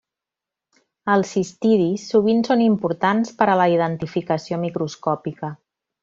Els cistidis sovint són importants per a la identificació microscòpica.